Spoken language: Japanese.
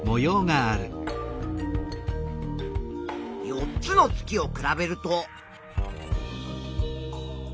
４つの月を比べると。